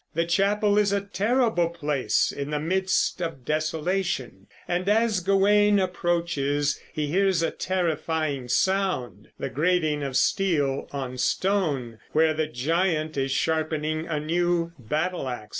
The Chapel is a terrible place in the midst of desolation; and as Gawain approaches he hears a terrifying sound, the grating of steel on stone, where the giant is sharpening a new battle ax.